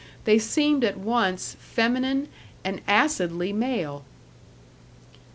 They seemed at once feminine and acidly male.